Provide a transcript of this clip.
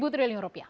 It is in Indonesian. satu triliun rupiah